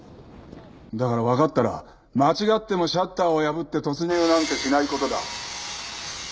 だからわかったら間違ってもシャッターを破って突入なんてしない事だ。